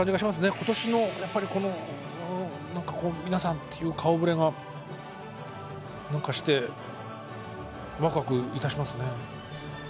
今年のやっぱりこの何かこう皆さんっていう顔ぶれが何かしてわくわくいたしますね。